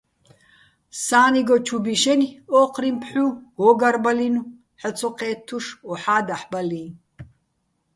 სა́ნიგო ჩუ ბიშენი̆ ო́ჴრიჼ ფჰ̦უ, გო́გარბალინო̆, ჰ̦ალო̆ ცო ჴე́თთუშ, ოჰა́ დაჰ̦ ბალიჼ.